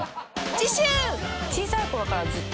［次週］